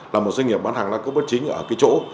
là một doanh nghiệp bán hàng đa cấp bất chính ở cái chỗ